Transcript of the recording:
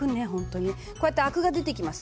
こうやってアクが出てきます。